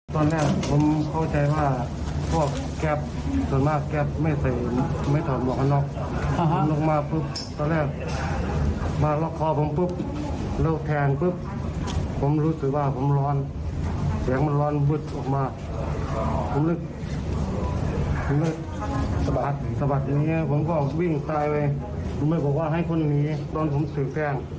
สะบัดสะบัดอย่างนี้ผมก็วิ่งซ้ายไว้ไม่บอกว่าให้คนหนีตอนผมถือแกล้ง